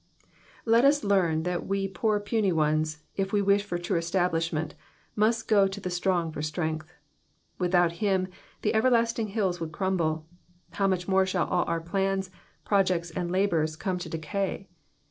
Let us learn that we poor puny ones, if we wish for true establishment, must go to the strong for strength. Without him, the everlasting hills would crumble ; how much more shall all our plans, projects, and labours come to decay.